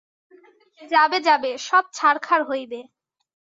যাবে যাবে, সব ছারখার হইবে।